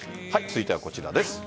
続いてはこちらです。